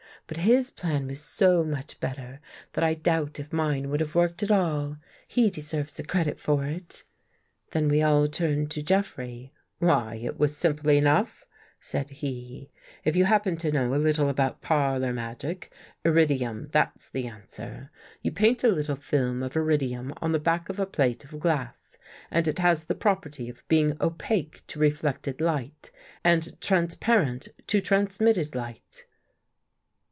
But his plan was so much better, that I doubt if mine would have worked at all. He deserves the credit for it." Then we all turned to Jeffrey. " Why, It was simple enough," said he, " If you happen to know a little about parlor magic ; Irridium, that's the answer. You paint a little film of Irridium on the back of a plate of glass and It has the prop erty of being opaque to reflected light and transpar ent to transmitted light."